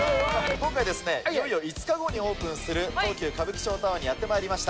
今回、いよいよ５日後にオープンする、東急歌舞伎町タワーにやってまいりました。